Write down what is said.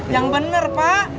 yang bener pak